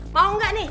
mau gak nih